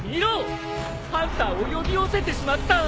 ハンターを呼び寄せてしまった。